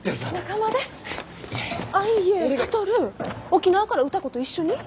沖縄から歌子と一緒に？